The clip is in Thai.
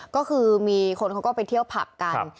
ก็คือมีคนเขาก็ไปเที่ยวผับกัน